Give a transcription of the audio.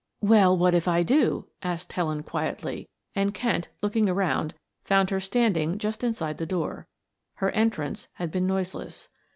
"Well, what if I do?" asked Helen quietly, and Kent, looking around, found her standing just inside the door. Her entrance had been noiseless.